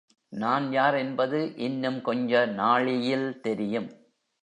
நான் யார் என்பது இன்னும் கொஞ்ச நாழியில் தெரியும்.